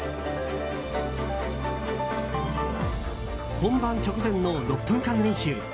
本番直前の６分間練習。